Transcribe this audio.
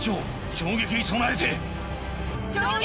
・衝撃に備えて！